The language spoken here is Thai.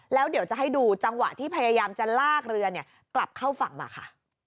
แล้วเดี๋ยวจะให้ดูจังหวะที่พยายามจะลากเรือกลับเข้าฝั่งมาค่ะ